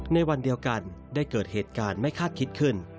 ในวันเดียวกันได้เกิดเหตุการณ์ไม่คาดคิดขึ้น